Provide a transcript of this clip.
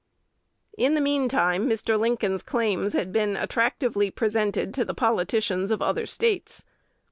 In the mean time Mr. Lincoln's claims had been attractively presented to the politicians of other States.